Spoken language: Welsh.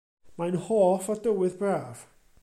Mae'n hoff o dywydd braf.